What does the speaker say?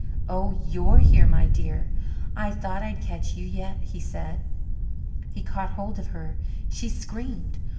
"Oh, you're here, my dear I thought I'd catch you yet," he said. He caught hold of her. She screamed.